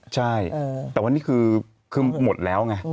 ใช่แต่ว่านี่คือหมดแล้ว